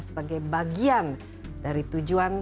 sebagai bagian dari tujuan